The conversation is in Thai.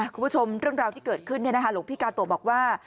คุณผู้ชมเรื่องราวที่เกิดขึ้นหลวงพี่กาโตบอกว่า